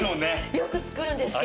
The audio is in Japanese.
よく作るんですけど。